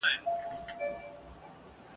دواړي زامي یې له یخه رېږدېدلې ..